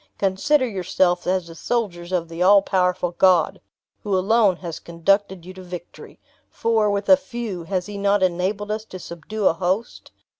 Consider yourselves as the soldiers of the all powerful God, who alone has conducted you to victory; for, with a few, has he not enabled us to subdue a host?